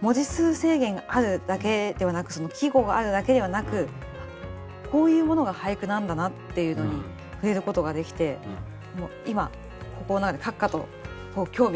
文字数制限があるだけではなくその季語があるだけではなくこういうものが俳句なんだなっていうのに触れることができて今心の中でカッカと興味が燃えてます。